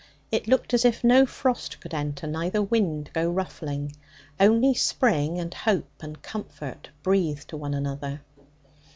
It looked as if no frost could enter neither wind go ruffling; only spring, and hope, and comfort, breathe to one another.